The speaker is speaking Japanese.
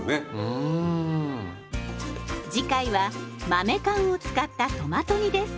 次回は豆缶を使ったトマト煮です。